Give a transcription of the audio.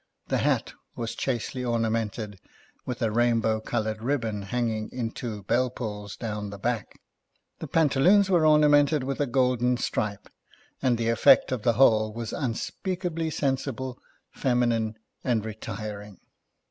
The hat was chastely ornamented with a rainbow coloured ribbon hanging in two bell pulls down the back ; the pantaloons were ornamented with a golden stripe ; and the effect of the whole was unspeakably sensible, feminine, and retiring.